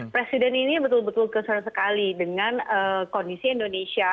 presiden ini betul betul kesan sekali dengan kondisi indonesia